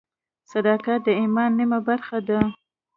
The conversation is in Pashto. صداقت د ایمان نیمه برخه ده.